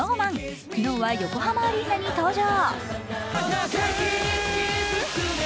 昨日は横浜アリーナに登場。